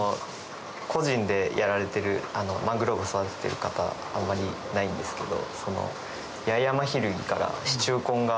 個人でやられてるマングローブ育ててる方あんまりいないんですけど。